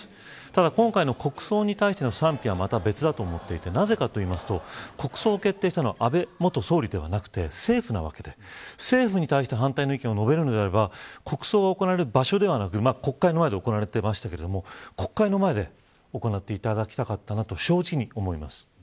ただ、今回の国葬に対しての賛否は、また別だと思っていてなぜかというと、国葬を決定したのは、安倍元総理ではなくて政府なわけで、政府に対して反対の意見を述べるのであれば国葬が行われる場所ではなく国会の前で行われていましたけれども国会の前で行っていただきたかったなと正直に思います。